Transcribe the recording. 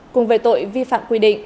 cùng về tội vi phạm quy định